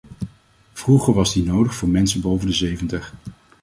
Vroeger was die nodig voor mensen boven de zeventig.